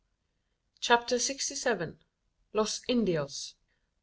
CHAPTER SIXTY SEVEN. LOS INDIOS!